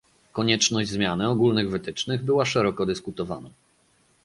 Konieczność zmiany ogólnych wytycznych była szeroko dyskutowana